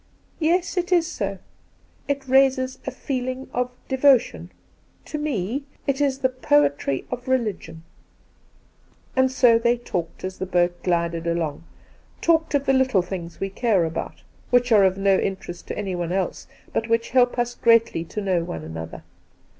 ' Yes, it is so. It raises a feeling of devotion. To me, it is the poetry of religion.' And so they talked as the boat glided along ; talked of the ' little things we care about,' which are of no interest to anyone else, but which help us greatly to know one another.